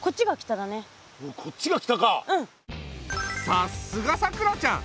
さすがさくらちゃん。